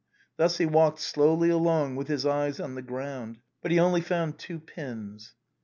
Thus he walked slowly along with his eyes on the ground. But he only found two pins.